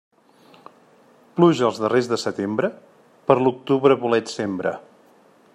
Pluja a darrers de setembre, per l'octubre bolets sembra.